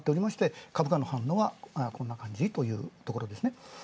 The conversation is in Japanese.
株価の反応はこんな感じといえるところですね。